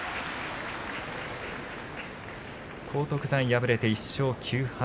荒篤山、敗れて１勝９敗。